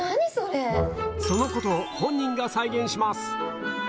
そのことを本人が再現します